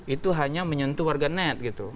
itu hanya menyentuh warga net